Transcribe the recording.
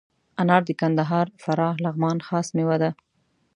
انار د کندهار، فراه، لغمان خاص میوه ده.